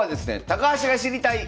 「高橋が知りたい！